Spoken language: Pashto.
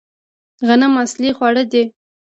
غنم اصلي خواړه دي